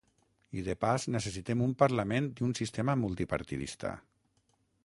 I, de pas, necessitem un parlament i un sistema multipartidista.